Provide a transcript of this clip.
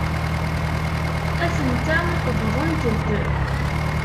Atent-a wwḍent-d.